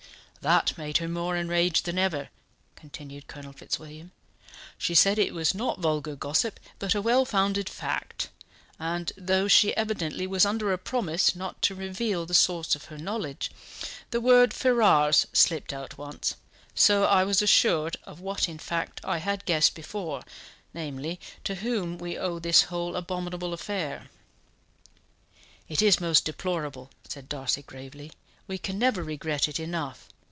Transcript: "That made her more enraged than ever," continued Colonel Fitzwilliam; "she said it was not vulgar gossip, but a well founded fact; and though she evidently was under a promise not to reveal the source of her knowledge, the word Ferrars slipped out once, so I was assured of what in fact I had guessed before, namely, to whom we owe this whole abominable affair." "It is most deplorable," said Darcy gravely. "We can never regret it enough.